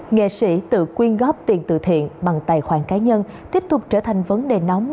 nghệ sĩ tự quyên góp tiền từ thiện bằng tài khoản cá nhân tiếp tục trở thành vấn đề nóng